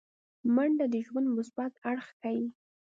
منډه د ژوند مثبت اړخ ښيي